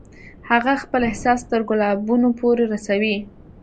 هغه خپل احساس تر ګلابونو پورې رسوي